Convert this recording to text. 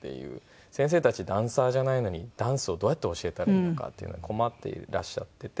先生たちダンサーじゃないのにダンスをどうやって教えたらいいのかっていうので困っていらっしゃっていて。